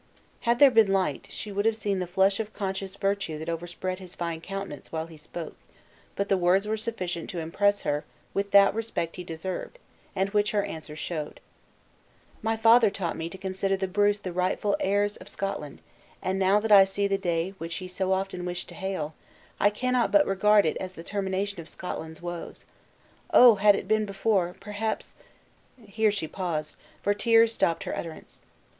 Had there been light, she would have seen the flush of conscious virtue that overspread his fine countenance while he spoke; but the words were sufficient to impress her with that respect he deserved, and which her answer showed. "My father taught me to consider the Bruce the rightful heirs of Scotland; and now that I see the day which he so often wished to hail, I cannot but regard it as the termination of Scotland's woes. Oh! had it been before! perhaps " Here she paused, for tears stopped her utterance.